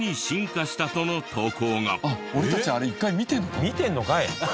見てんのかい！